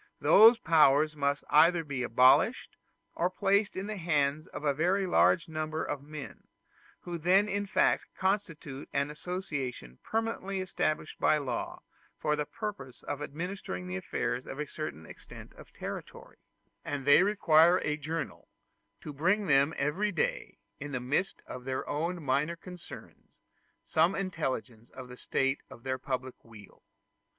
Those powers must either be abolished, or placed in the hands of very large numbers of men, who then in fact constitute an association permanently established by law for the purpose of administering the affairs of a certain extent of territory; and they require a journal, to bring to them every day, in the midst of their own minor concerns, some intelligence of the state of their public weal.